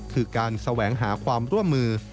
คือการแสวงหาความร่วมมือ